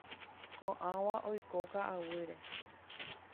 Ko'ãva oiko ka'aguýre.